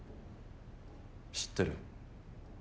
知ってる。